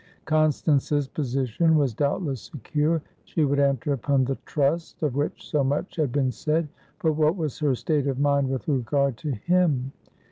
Constance's position was doubtless secure; she would enter upon the "trust" of which so much had been said; but what was her state of mind with regard to him?